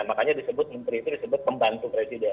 makanya disebut menteri itu disebut pembantu presiden